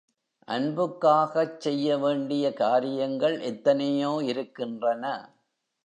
அன்புக்காகச் செய்ய வேண்டிய காரியங்கள் எத்தனையோ இருக்கின்றன.